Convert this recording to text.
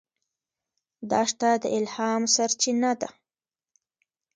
دښته د الهام سرچینه ده.